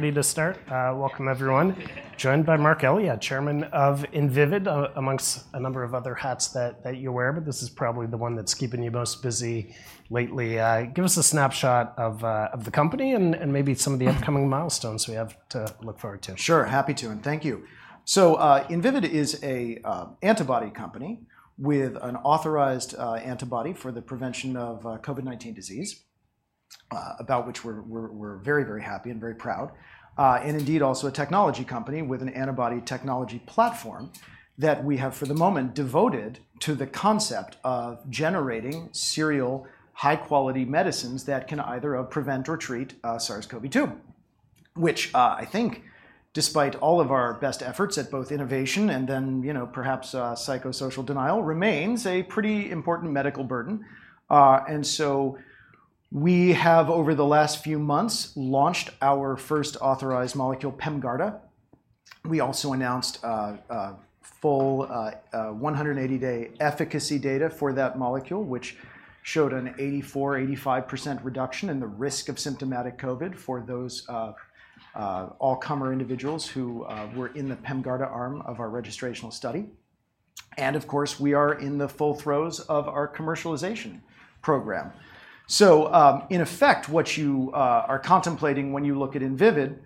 We're ready to start. Welcome everyone. Joined by Marc Elia, Chairman of Invivyd, amongst a number of other hats that you wear, but this is probably the one that's keeping you most busy lately. Give us a snapshot of the company and maybe some of the upcoming milestones we have to look forward to. Sure, happy to, and thank you. So, Invivyd is a antibody company with an authorized antibody for the prevention of COVID-19 disease, about which we're very happy and very proud. And indeed, also a technology company with an antibody technology platform that we have, for the moment, devoted to the concept of generating serial high-quality medicines that can either prevent or treat SARS-CoV-2. Which, I think despite all of our best efforts at both innovation and then, you know, perhaps, psychosocial denial, remains a pretty important medical burden. And so we have, over the last few months, launched our first authorized molecule, PEMGARDA. We also announced full 180-day efficacy data for that molecule, which showed an 84%-85% reduction in the risk of symptomatic COVID for those all-comer individuals who were in the PEMGARDA arm of our registrational study. And of course, we are in the full throes of our commercialization program. So, in effect, what you are contemplating when you look at Invivyd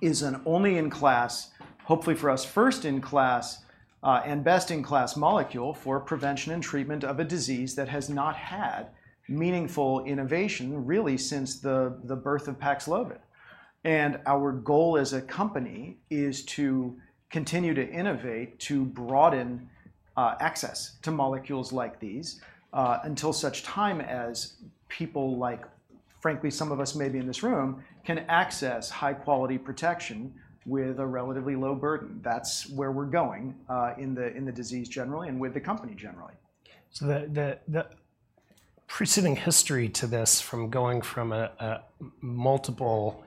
is an only-in-class, hopefully for us, first-in-class, and best-in-class molecule for prevention and treatment of a disease that has not had meaningful innovation, really, since the birth of Paxlovid. And our goal as a company is to continue to innovate, to broaden access to molecules like these, until such time as people like, frankly, some of us maybe in this room, can access high-quality protection with a relatively low burden. That's where we're going, in the disease generally, and with the company generally. So the preceding history to this, from going from a multiple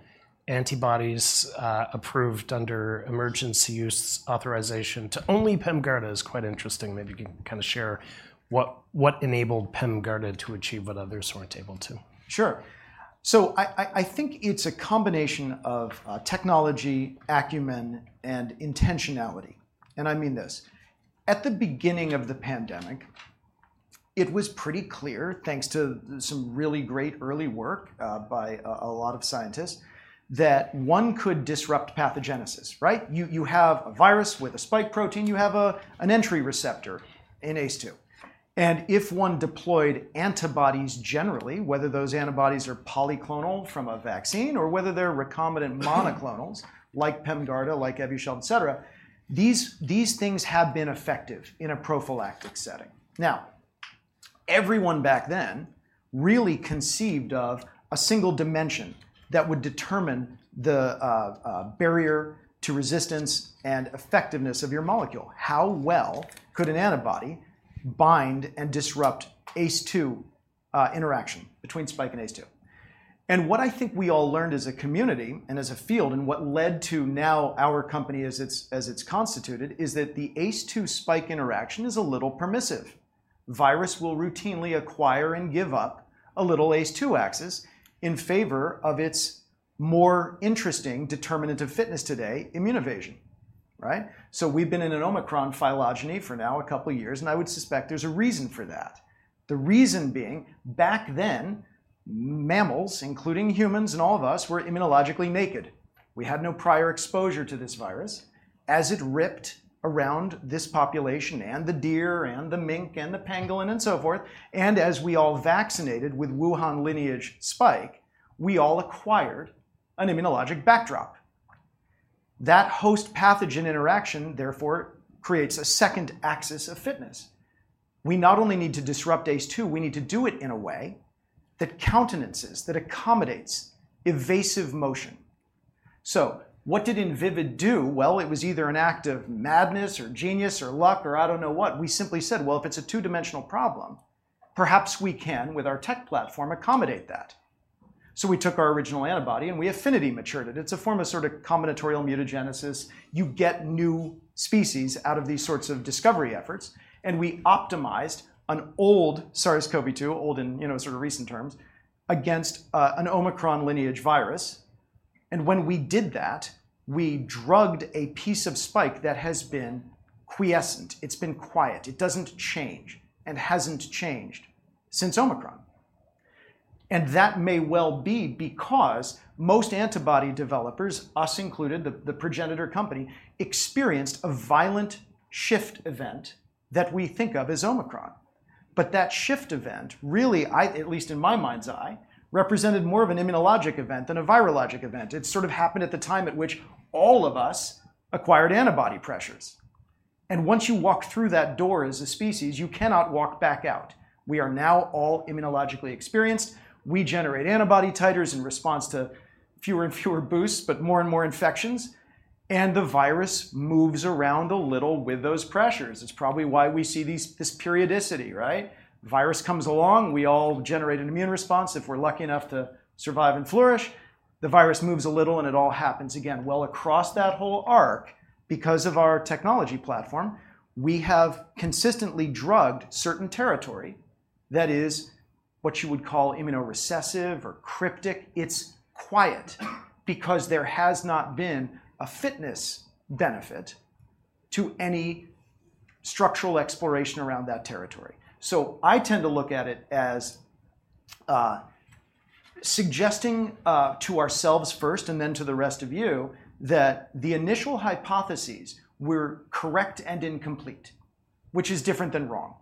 antibodies approved under emergency use authorization to only PEMGARDA is quite interesting. Maybe you can kind of share what enabled PEMGARDA to achieve what others weren't able to? Sure. So I think it's a combination of technology, acumen, and intentionality, and I mean this. At the beginning of the pandemic, it was pretty clear, thanks to some really great early work by a lot of scientists, that one could disrupt pathogenesis, right? You have a virus with a spike protein, you have an entry receptor, an ACE2. And if one deployed antibodies, generally, whether those antibodies are polyclonal from a vaccine or whether they're recombinant monoclonals, like PEMGARDA, like Evusheld, et cetera, these things have been effective in a prophylactic setting. Now, everyone back then really conceived of a single dimension that would determine the barrier to resistance and effectiveness of your molecule. How well could an antibody bind and disrupt ACE2 interaction between spike and ACE2? What I think we all learned as a community and as a field, and what led to now our company as it's constituted, is that the ACE2 spike interaction is a little permissive. Virus will routinely acquire and give up a little ACE2 axis in favor of its more interesting determinant of fitness today, immune evasion, right? So we've been in an Omicron phylogeny for now a couple of years, and I would suspect there's a reason for that. The reason being, back then, mammals, including humans and all of us, were immunologically naked. We had no prior exposure to this virus. As it ripped around this population, and the deer, and the mink, and the pangolin, and so forth, and as we all vaccinated with Wuhan lineage spike, we all acquired an immunologic backdrop. That host-pathogen interaction, therefore, creates a second axis of fitness. We not only need to disrupt ACE2, we need to do it in a way that countenances, that accommodates evasive motion. So what did Invivyd do? Well, it was either an act of madness, or genius, or luck, or I don't know what. We simply said: "Well, if it's a two-dimensional problem, perhaps we can, with our tech platform, accommodate that." So we took our original antibody, and we affinity matured it. It's a form of sort of combinatorial mutagenesis. You get new species out of these sorts of discovery efforts, and we optimized an old SARS-CoV-2, old in, you know, sort of recent terms, against an Omicron lineage virus. And when we did that, we drugged a piece of spike that has been quiescent. It's been quiet. It doesn't change and hasn't changed since Omicron. And that may well be because most antibody developers, us included, the progenitor company, experienced a violent shift event that we think of as Omicron. But that shift event, really, I... at least in my mind's eye, represented more of an immunologic event than a virologic event. It sort of happened at the time at which all of us acquired antibody pressures. And once you walk through that door as a species, you cannot walk back out. We are now all immunologically experienced. We generate antibody titers in response to fewer and fewer boosts, but more and more infections, and the virus moves around a little with those pressures. It's probably why we see these, this periodicity, right? Virus comes along, we all generate an immune response. If we're lucky enough to survive and flourish, the virus moves a little, and it all happens again. Across that whole arc, because of our technology platform, we have consistently drugged certain territory that is what you would call immunorecessive or cryptic. It's quiet, because there has not been a fitness benefit to any structural exploration around that territory. So I tend to look at it as suggesting to ourselves first and then to the rest of you, that the initial hypotheses were correct and incomplete, which is different than wrong,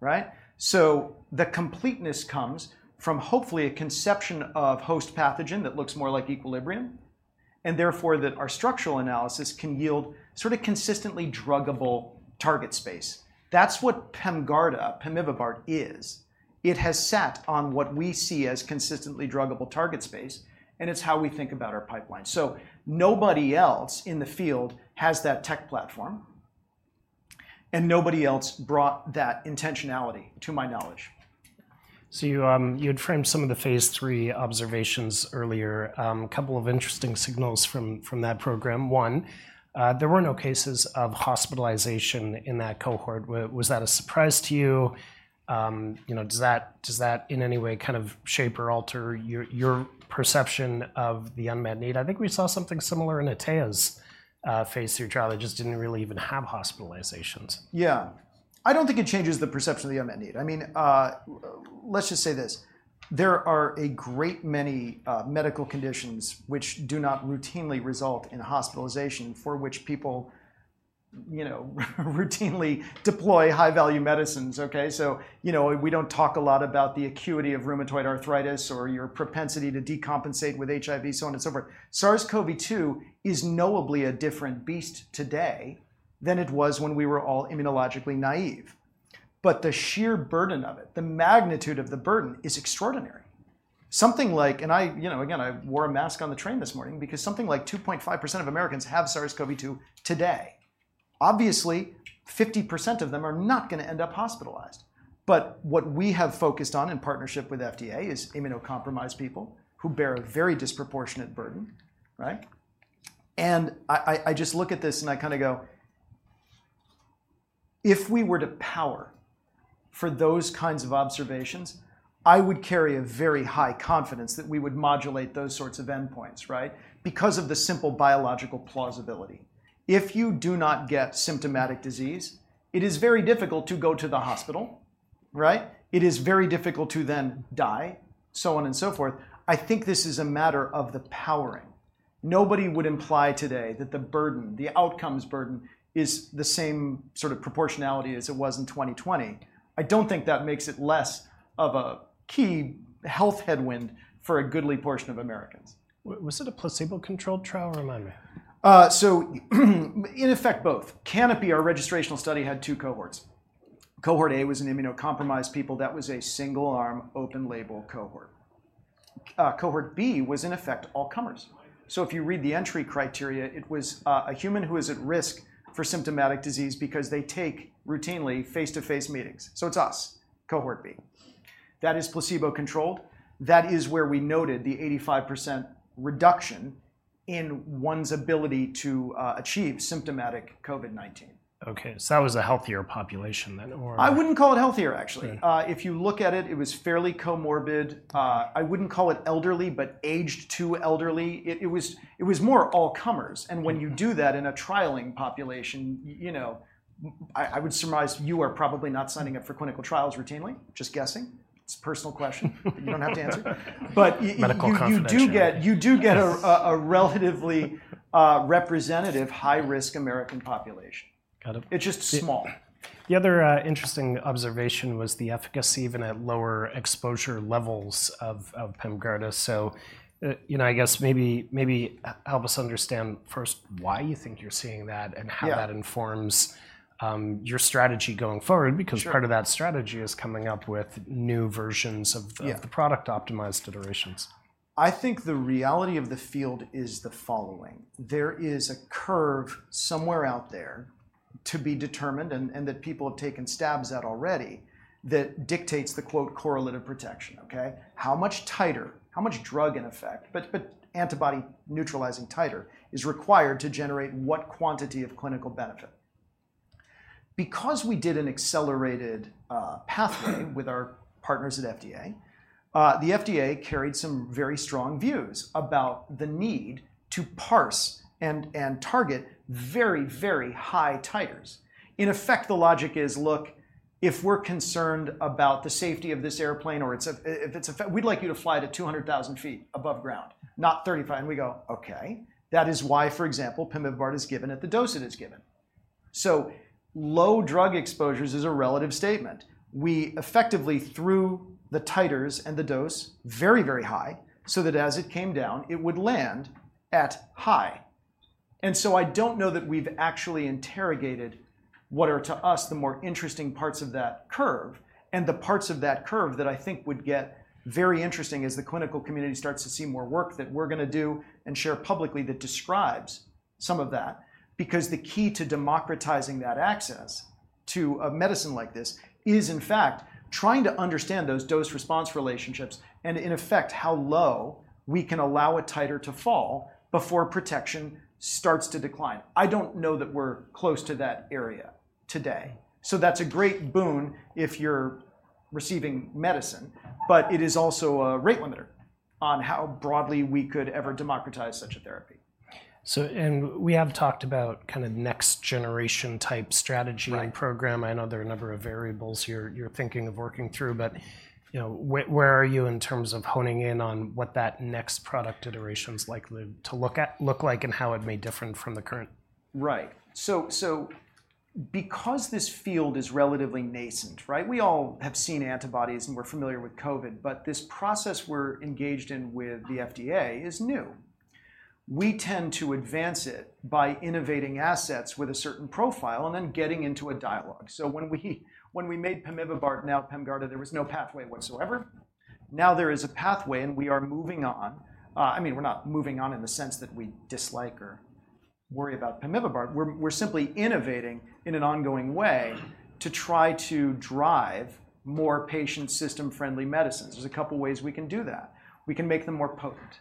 right? So the completeness comes from hopefully a conception of host pathogen that looks more like equilibrium, and therefore, that our structural analysis can yield sort of consistently druggable target space. That's what PEMGARDA, pemivibart, is. It has sat on what we see as consistently druggable target space, and it's how we think about our pipeline. So nobody else in the field has that tech platform, and nobody else brought that intentionality, to my knowledge. So you, you'd framed some of the phase III observations earlier. A couple of interesting signals from that program. One, there were no cases of hospitalization in that cohort. Was that a surprise to you? You know, does that in any way kind of shape or alter your perception of the unmet need? I think we saw something similar in Atea's phase III trial. They just didn't really even have hospitalizations. Yeah. I don't think it changes the perception of the unmet need. I mean, let's just say this, there are a great many medical conditions which do not routinely result in hospitalization, for which people, you know, routinely deploy high value medicines. Okay, so you know, we don't talk a lot about the acuity of rheumatoid arthritis or your propensity to decompensate with HIV, so on and so forth. SARS-CoV-2 is knowably a different beast today than it was when we were all immunologically naive. But the sheer burden of it, the magnitude of the burden is extraordinary. Something like... And I, you know, again, I wore a mask on the train this morning because something like 2.5% of Americans have SARS-CoV-2 today. Obviously, 50% of them are not gonna end up hospitalized. But what we have focused on in partnership with FDA is immunocompromised people who bear a very disproportionate burden, right? And I just look at this and I kind of go, "If we were to power for those kinds of observations, I would carry a very high confidence that we would modulate those sorts of endpoints," right? Because of the simple biological plausibility. If you do not get symptomatic disease, it is very difficult to go to the hospital, right? It is very difficult to then die, so on and so forth. I think this is a matter of the powering. Nobody would imply today that the burden, the outcomes burden, is the same sort of proportionality as it was in 2020. I don't think that makes it less of a key health headwind for a goodly portion of Americans. Was it a placebo-controlled trial? Remind me. So in effect, both. CANOPY, our registrational study, had two cohorts. Cohort A was in immunocompromised people. That was a single arm, open label cohort. Cohort B was, in effect, all comers. So if you read the entry criteria, it was, a human who is at risk for symptomatic disease because they take routinely face-to-face meetings, so it's us, cohort B. That is placebo-controlled. That is where we noted the 85% reduction in one's ability to, achieve symptomatic COVID-19. Okay, so that was a healthier population then, or- I wouldn't call it healthier, actually. Right. If you look at it, it was fairly comorbid. I wouldn't call it elderly, but aged to elderly. It was more all comers. Mm-hmm. When you do that in a trialing population, you know, I would surmise you are probably not signing up for clinical trials routinely, just guessing. It's a personal question, but you don't have to answer. Medical confirmation. But you do get, Yes... a relatively representative high risk American population. Kind of. It's just small. The other interesting observation was the efficacy even at lower exposure levels of PEMGARDA. So, you know, I guess maybe help us understand first, why you think you're seeing that. Yeah... and how that informs your strategy going forward. Sure. Because part of that strategy is coming up with new versions of- Yeah... the product, optimized iterations. I think the reality of the field is the following: there is a curve somewhere out there to be determined, and that people have taken stabs at already, that dictates the, quote, "correlative protection." Okay? How much titer, how much drug in effect, but antibody neutralizing titer is required to generate what quantity of clinical benefit? Because we did an accelerated pathway with our partners at FDA, the FDA carried some very strong views about the need to parse and target very, very high titers. In effect, the logic is, look, if we're concerned about the safety of this airplane or its effect, we'd like you to fly it at 200,000 ft above ground, not 35. And we go, "Okay." That is why, for example, pemivibart is given at the dose it is given. So low drug exposures is a relative statement. We effectively threw the titers and the dose very, very high, so that as it came down, it would land at high. And so I don't know that we've actually interrogated what are, to us, the more interesting parts of that curve, and the parts of that curve that I think would get very interesting as the clinical community starts to see more work that we're gonna do and share publicly that describes some of that. Because the key to democratizing that access to a medicine like this is, in fact, trying to understand those dose response relationships and, in effect, how low we can allow a titer to fall before protection starts to decline. I don't know that we're close to that area today. So that's a great boon if you're receiving medicine, but it is also a rate limiter. on how broadly we could ever democratize such a therapy. So, and we have talked about kind of next generation type strategy- Right -and program. I know there are a number of variables you're thinking of working through, but, you know, where are you in terms of honing in on what that next product iteration is likely to look like, and how it may differ from the current? Right. So, so because this field is relatively nascent, right? We all have seen antibodies, and we're familiar with COVID, but this process we're engaged in with the FDA is new. We tend to advance it by innovating assets with a certain profile and then getting into a dialogue. So when we, when we made pemivibart, now PEMGARDA, there was no pathway whatsoever. Now, there is a pathway, and we are moving on. I mean, we're not moving on in the sense that we dislike or worry about pemivibart. We're, we're simply innovating in an ongoing way to try to drive more patient system-friendly medicines. There's a couple of ways we can do that. We can make them more potent.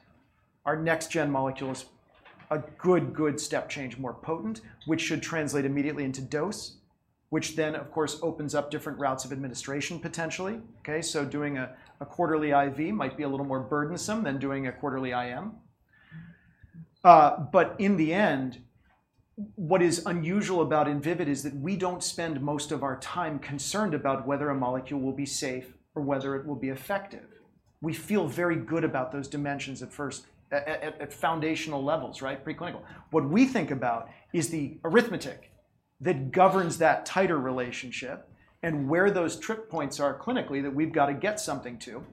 Our next gen molecule is a good, good step change, more potent, which should translate immediately into dose, which then, of course, opens up different routes of administration, potentially. Okay, so doing a quarterly IV might be a little more burdensome than doing a quarterly IM. But in the end, what is unusual about Invivyd is that we don't spend most of our time concerned about whether a molecule will be safe or whether it will be effective. We feel very good about those dimensions at first foundational levels, right? Preclinical. What we think about is the arithmetic that governs that titer relationship and where those trip points are clinically that we've got to get something to.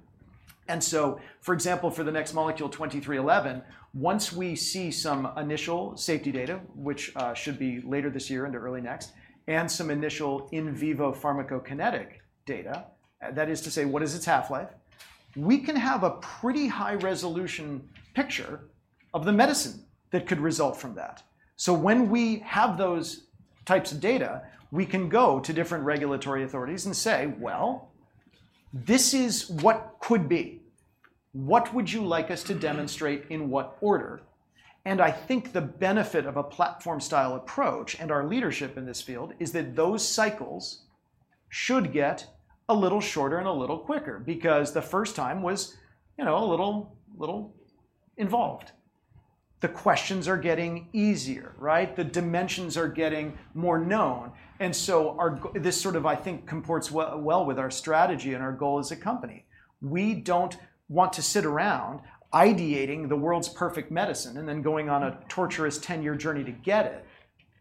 And so, for example, for the next molecule, 2311, once we see some initial safety data, which should be later this year into early next, and some initial in vivo pharmacokinetic data, that is to say, what is its half-life? We can have a pretty high-resolution picture of the medicine that could result from that. So when we have those types of data, we can go to different regulatory authorities and say, "Well, this is what could be. What would you like us to demonstrate in what order?" And I think the benefit of a platform-style approach and our leadership in this field is that those cycles should get a little shorter and a little quicker, because the first time was, you know, a little involved. The questions are getting easier, right? The dimensions are getting more known, and so our this sort of, I think, comports well with our strategy and our goal as a company. We don't want to sit around ideating the world's perfect medicine and then going on a torturous ten-year journey to get it.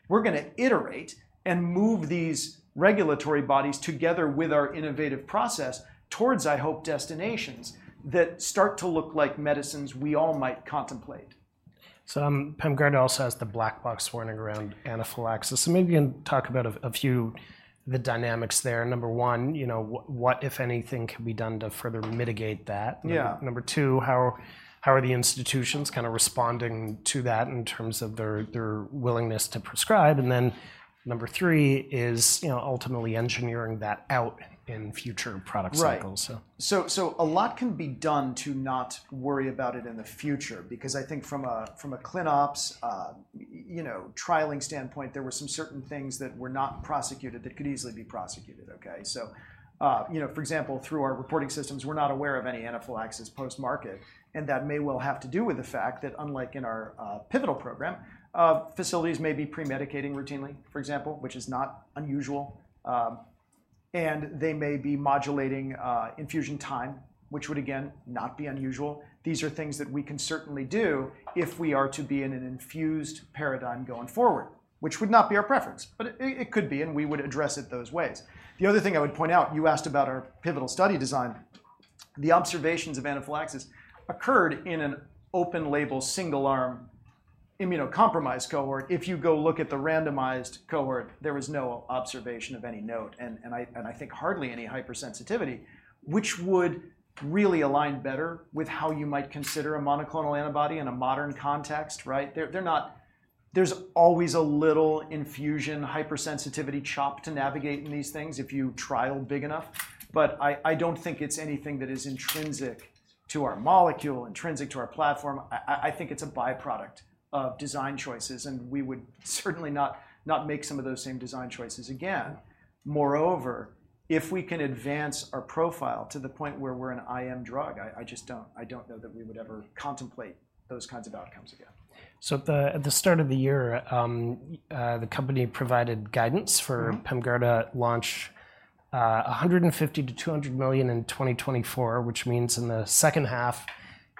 We're gonna iterate and move these regulatory bodies together with our innovative process towards, I hope, destinations that start to look like medicines we all might contemplate. So, PEMGARDA also has the black box warning around anaphylaxis. So maybe you can talk about a few, the dynamics there. Number one, you know, what, if anything, can be done to further mitigate that? Yeah. Number two, how are the institutions kind of responding to that in terms of their willingness to prescribe? And then number three is, you know, ultimately engineering that out in future product cycles. Right. So... So a lot can be done to not worry about it in the future, because I think from a ClinOps, you know, trialing standpoint, there were some certain things that were not prosecuted that could easily be prosecuted, okay? So you know, for example, through our reporting systems, we're not aware of any anaphylaxis post-market, and that may well have to do with the fact that unlike in our pivotal program, facilities may be pre-medicating routinely, for example, which is not unusual. And they may be modulating infusion time, which would, again, not be unusual. These are things that we can certainly do if we are to be in an infused paradigm going forward, which would not be our preference, but it could be, and we would address it those ways. The other thing I would point out, you asked about our pivotal study design. The observations of anaphylaxis occurred in an open-label, single-arm, immunocompromised cohort. If you go look at the randomized cohort, there was no observation of any note, and I think hardly any hypersensitivity, which would really align better with how you might consider a monoclonal antibody in a modern context, right? They're not... There's always a little infusion hypersensitivity shock to navigate in these things if you trial big enough, but I don't think it's anything that is intrinsic to our molecule, intrinsic to our platform. I think it's a by-product of design choices, and we would certainly not make some of those same design choices again. Moreover, if we can advance our profile to the point where we're an IM drug, I just don't know that we would ever contemplate those kinds of outcomes again. So at the start of the year, the company provided guidance for- Mm-hmm... PEMGARDA launch, $150-$200 million in 2024, which means in the second half,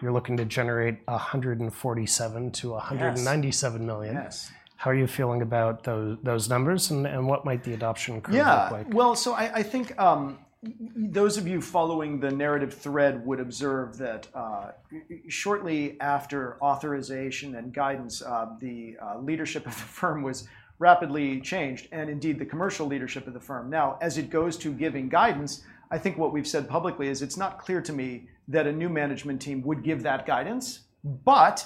you're looking to generate $147 to- Yes... $197 million. Yes. How are you feeling about those numbers, and what might the adoption curve look like? Yeah. Well, so I think those of you following the narrative thread would observe that shortly after authorization and guidance the leadership of the firm was rapidly changed, and indeed, the commercial leadership of the firm. Now, as it goes to giving guidance, I think what we've said publicly is, it's not clear to me that a new management team would give that guidance, but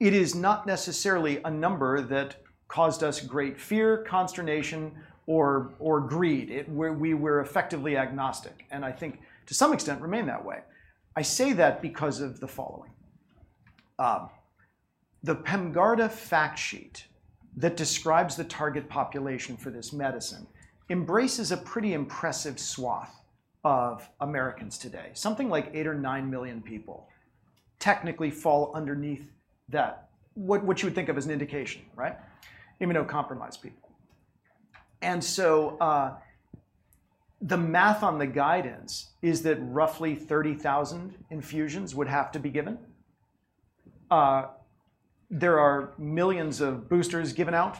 it is not necessarily a number that caused us great fear, consternation, or greed. We were effectively agnostic, and I think to some extent remain that way. I say that because of the following. The PEMGARDA fact sheet that describes the target population for this medicine embraces a pretty impressive swath of Americans today. Something like eight or nine million people technically fall underneath that, what you would think of as an indication, right? Immunocompromised people, and so the math on the guidance is that roughly 30,000 infusions would have to be given. There are millions of boosters given out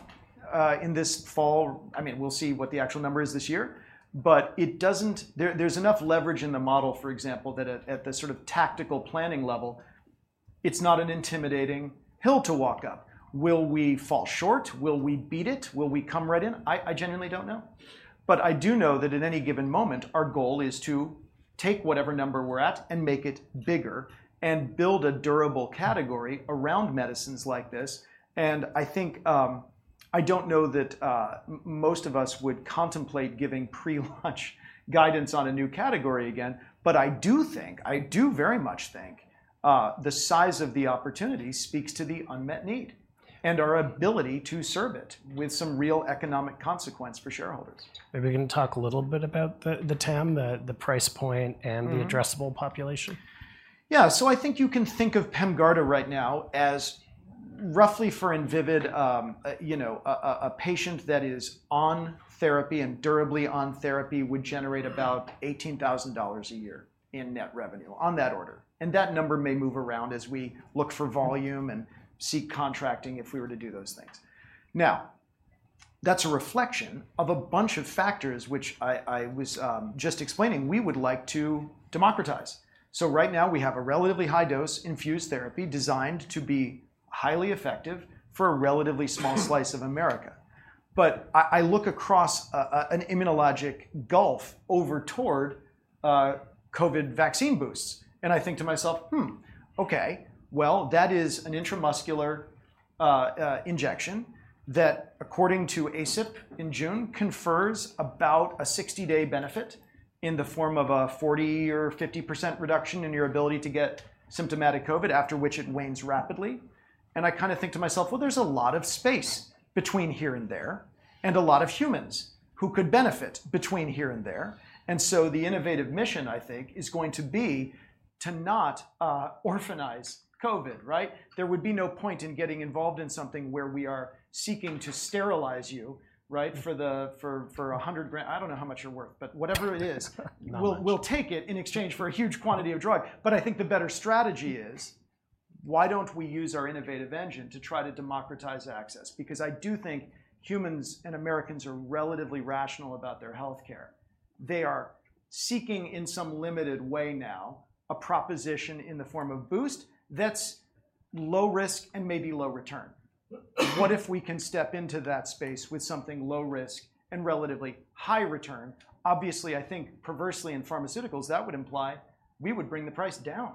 in this fall. I mean, we'll see what the actual number is this year, but it doesn't. There's enough leverage in the model, for example, that at the sort of tactical planning level, it's not an intimidating hill to walk up. Will we fall short? Will we beat it? Will we come right in? I genuinely don't know, but I do know that at any given moment, our goal is to take whatever number we're at and make it bigger, and build a durable category around medicines like this, and I think I don't know that most of us would contemplate giving pre-launch guidance on a new category again. But I do think, I do very much think, the size of the opportunity speaks to the unmet need and our ability to serve it with some real economic consequence for shareholders. Maybe you can talk a little bit about the TAM, the price point. Mm-hmm... and the addressable population. Yeah, so I think you can think of PEMGARDA right now as roughly for Invivyd, you know, a patient that is on therapy and durably on therapy would generate about $18,000 a year in net revenue, on that order. And that number may move around as we look for volume and seek contracting if we were to do those things. Now, that's a reflection of a bunch of factors, which I was just explaining we would like to democratize. So right now, we have a relatively high dose infused therapy designed to be highly effective for a relatively small slice of America. But I look across an immunologic gulf over toward COVID vaccine boosts, and I think to myself: Hmm, okay, well, that is an intramuscular injection that, according to ACIP in June, confers about a sixty-day benefit in the form of a 40% or 50% reduction in your ability to get symptomatic COVID, after which it wanes rapidly. And I kinda think to myself, well, there's a lot of space between here and there, and a lot of humans who could benefit between here and there. And so the innovative mission, I think, is going to be to not orphanize COVID, right? There would be no point in getting involved in something where we are seeking to sterilize you, right, for $100,000. I don't know how much you're worth, but whatever it is- Not much... we'll take it in exchange for a huge quantity of drug. But I think the better strategy is, why don't we use our innovative engine to try to democratize access? Because I do think humans and Americans are relatively rational about their healthcare. They are seeking, in some limited way now, a proposition in the form of boost that's low risk and maybe low return. What if we can step into that space with something low risk and relatively high return? Obviously, I think perversely in pharmaceuticals, that would imply we would bring the price down,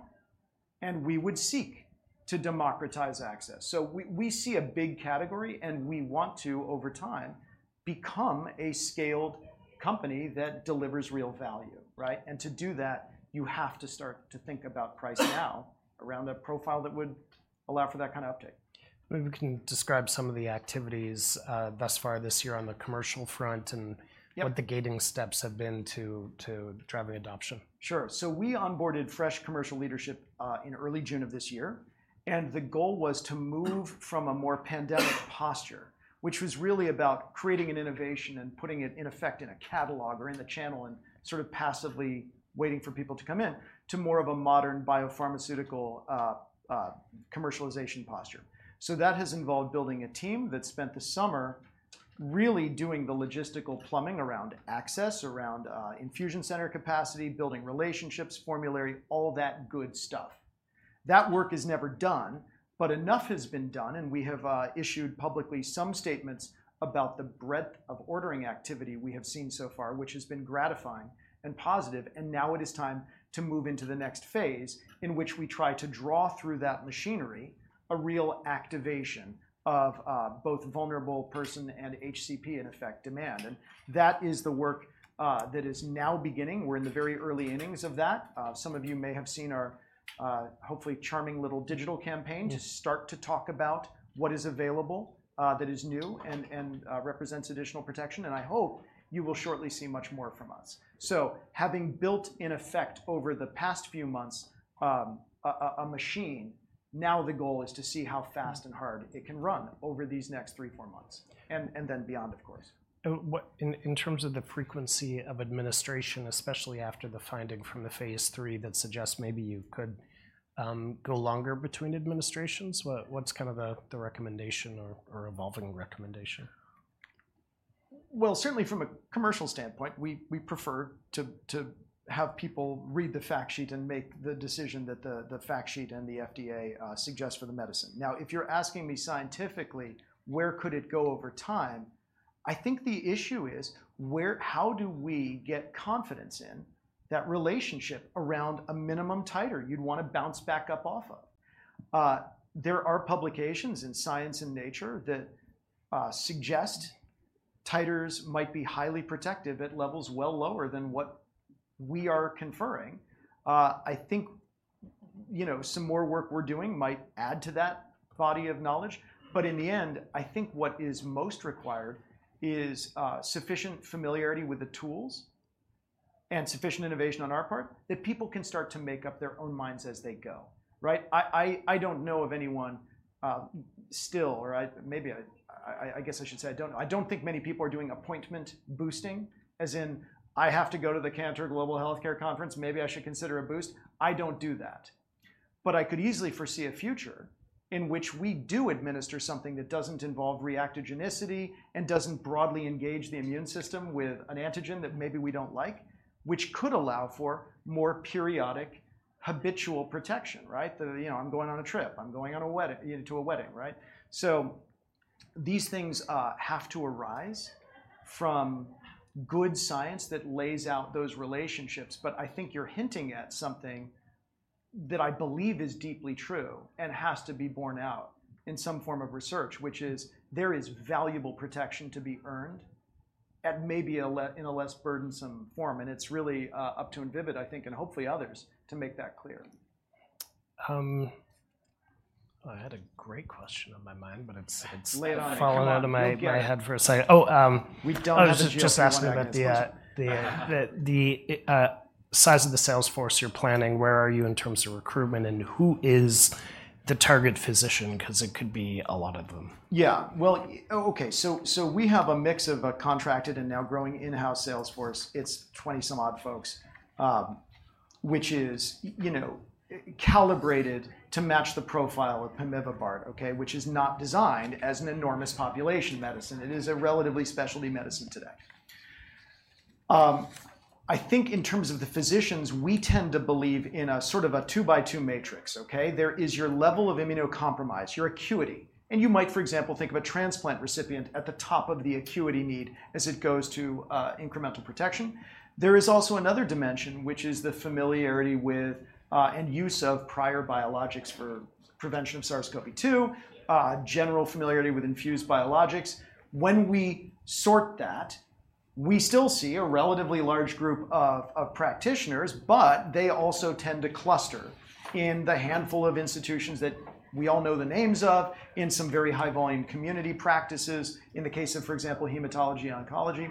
and we would seek to democratize access. So we see a big category, and we want to, over time, become a scaled company that delivers real value, right? To do that, you have to start to think about price now around a profile that would allow for that kind of uptick. Maybe we can describe some of the activities thus far this year on the commercial front, and- Yep... what the gating steps have been to driving adoption. Sure. So we onboarded fresh commercial leadership in early June of this year, and the goal was to move from a more pandemic posture, which was really about creating an innovation and putting it in effect in a catalog or in the channel and sort of passively waiting for people to come in, to more of a modern biopharmaceutical commercialization posture. So that has involved building a team that spent the summer really doing the logistical plumbing around access, around infusion center capacity, building relationships, formulary, all that good stuff. That work is never done, but enough has been done, and we have issued publicly some statements about the breadth of ordering activity we have seen so far, which has been gratifying and positive, and now it is time to move into the next phase, in which we try to draw through that machinery a real activation of both vulnerable person and HCP, in effect, demand, and that is the work that is now beginning. We're in the very early innings of that. Some of you may have seen our hopefully charming little digital campaign- Mm... to start to talk about what is available, that is new and, represents additional protection, and I hope you will shortly see much more from us. So having built in effect over the past few months, a machine, now the goal is to see how fast and hard it can run over these next three, four months and, then beyond, of course. In terms of the frequency of administration, especially after the finding from the phase III that suggests maybe you could go longer between administrations, what's kind of the recommendation or evolving recommendation? Certainly from a commercial standpoint, we prefer to have people read the fact sheet and make the decision that the fact sheet and the FDA suggest for the medicine. Now, if you're asking me scientifically, where could it go over time? I think the issue is how do we get confidence in that relationship around a minimum titer you'd wanna bounce back up off of? There are publications in Science and Nature that suggest titers might be highly protective at levels well lower than what we are conferring. I think, you know, some more work we're doing might add to that body of knowledge. But in the end, I think what is most required is sufficient familiarity with the tools, and sufficient innovation on our part, that people can start to make up their own minds as they go, right? I don't know of anyone still, or maybe I guess I should say I don't think many people are doing appointment boosting, as in, "I have to go to the Cantor Global Healthcare Conference, maybe I should consider a boost." I don't do that. But I could easily foresee a future in which we do administer something that doesn't involve reactogenicity, and doesn't broadly engage the immune system with an antigen that maybe we don't like, which could allow for more periodic, habitual protection, right? You know, I'm going on a trip. I'm going to a wedding, right? So these things have to arise from good science that lays out those relationships. But I think you're hinting at something that I believe is deeply true, and has to be borne out in some form of research, which is, there is valuable protection to be earned, at maybe a less burdensome form. And it's really up to Invivyd, I think, and hopefully others, to make that clear. I had a great question on my mind, but it's, it's- Lay it on me, come on.... fallen out of my head for a second. Oh, We don't have a- I was just asking about the size of the sales force you're planning. Where are you in terms of recruitment, and who is the target physician? 'Cause it could be a lot of them. Yeah. Well, okay, so, so we have a mix of a contracted and now growing in-house sales force. It's 20-some odd folks. Which is you know, calibrated to match the profile of pemivibart, okay? Which is not designed as an enormous population medicine. It is a relatively specialty medicine today. I think in terms of the physicians, we tend to believe in a sort of a two-by-two matrix, okay? There is your level of immunocompromise, your acuity, and you might, for example, think of a transplant recipient at the top of the acuity need as it goes to incremental protection. There is also another dimension, which is the familiarity with and use of prior biologics for prevention of SARS-CoV-2, general familiarity with infused biologics. When we sort that, we still see a relatively large group of practitioners, but they also tend to cluster in the handful of institutions that we all know the names of, in some very high-volume community practices, in the case of, for example, hematology and oncology,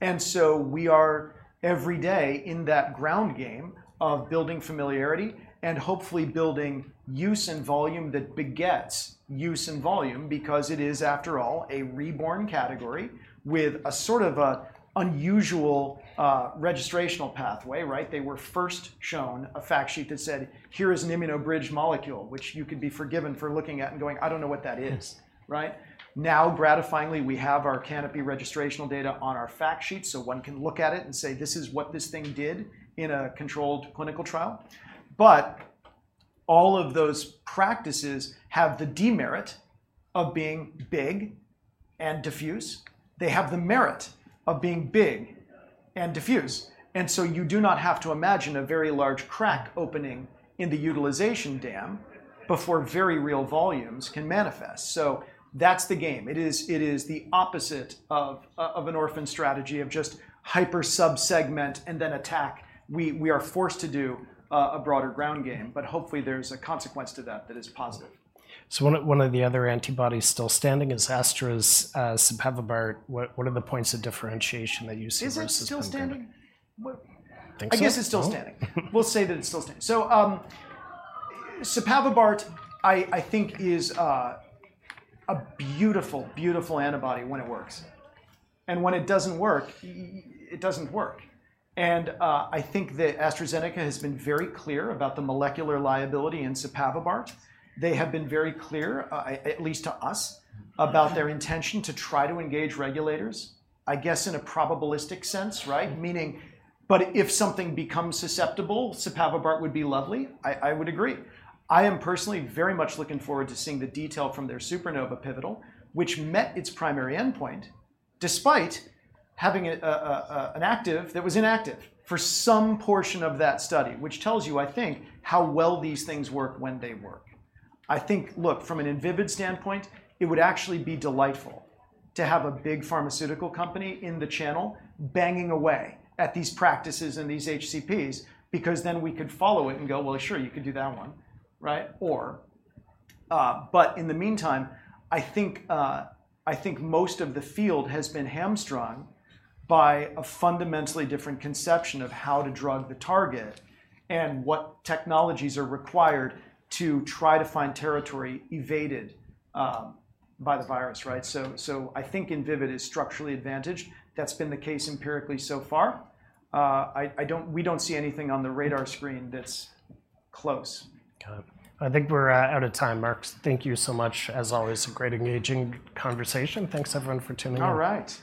and so we are, every day, in that ground game of building familiarity, and hopefully building use and volume that begets use and volume. Because it is, after all, a reborn category, with a sort of a unusual registrational pathway, right? They were first shown a fact sheet that said, "Here is an immunobridged molecule," which you could be forgiven for looking at and going, "I don't know what that is," right? Now, gratifyingly, we have our CANOPY registrational data on our fact sheet, so one can look at it and say, "This is what this thing did in a controlled clinical trial." But all of those practices have the demerit of being big and diffuse. They have the merit of being big and diffuse, and so you do not have to imagine a very large crack opening in the utilization dam before very real volumes can manifest. So that's the game. It is the opposite of an orphan strategy of just hyper sub-segment and then attack. We are forced to do a broader ground game, but hopefully there's a consequence to that that is positive. One of the other antibodies still standing is Astra's sipavibart. What are the points of differentiation that you see versus- Is it still standing? Think so. I guess it's still standing. We'll say that it's still standing. So, sipavibart, I think, is a beautiful, beautiful antibody when it works. And when it doesn't work, it doesn't work. And, I think that AstraZeneca has been very clear about the molecular liability in sipavibart. They have been very clear, at least to us, about their intention to try to engage regulators, I guess, in a probabilistic sense, right? Meaning... But if something becomes susceptible, sipavibart would be lovely. I would agree. I am personally very much looking forward to seeing the detail from their SUPERNOVA pivotal, which met its primary endpoint, despite having an active that was inactive for some portion of that study. Which tells you, I think, how well these things work when they work. I think, look, from an Invivyd standpoint, it would actually be delightful to have a big pharmaceutical company in the channel, banging away at these practices and these HCPs, because then we could follow it and go, "Well, sure, you could do that one," right? Or, but in the meantime, I think most of the field has been hamstrung by a fundamentally different conception of how to drug the target, and what technologies are required to try to find territory evaded by the virus. Right? So I think Invivyd is structurally advantaged. That's been the case empirically so far. We don't see anything on the radar screen that's close. Got it. I think we're out of time, Marc. Thank you so much, as always. A great, engaging conversation. Thanks, everyone, for tuning in. All right.